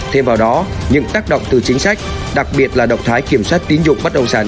thêm vào đó những tác động từ chính sách đặc biệt là động thái kiểm soát tín dụng bất động sản